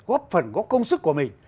có phần có công sức của mình